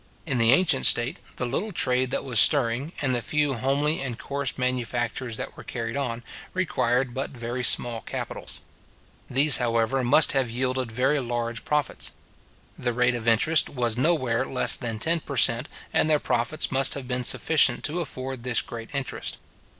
In the ancient state, the little trade that was stirring, and the few homely and coarse manufactures that were carried on, required but very small capitals. These, however, must have yielded very large profits. The rate of interest was nowhere less than ten per cent. and their profits must have been sufficient to afford this great interest.